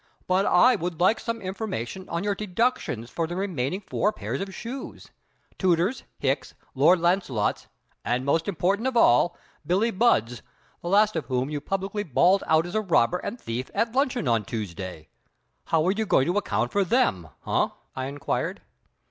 But I would like some information on your deductions from the remaining four pairs of shoes, Tooter's, Hicks's, Lord Launcelot's, and most important of all, Billie Budd's, the last of whom you publicly bawled out as a robber and thief at luncheon on Tuesday. How are you going to account for them, huh?" I inquired.